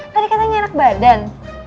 tadi katanya enak badan